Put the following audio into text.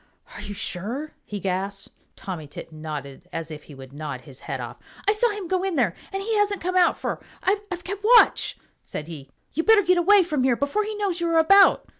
"Are you sure?" he gasped. Tommy Tit nodded as if he would nod his head off. "I saw him go in, and he hasn't come out, for I've kept watch," said he. "You better get away from here before he knows you are about."